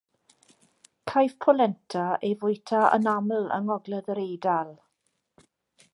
Caiff polenta ei fwyta yn aml yng Ngogledd yr Eidal.